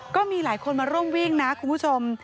ก็มีหลายคนมาร่วมวิ่งนะคุณผู้ชม